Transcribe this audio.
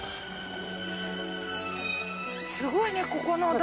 すごいねここの段。